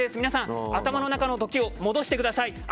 皆さん、頭の時を戻してください。